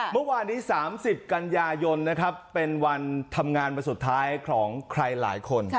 เมื่อวานนี้๓๐กันยายนนะครับเป็นวันทำงานวันสุดท้ายของใครหลายคน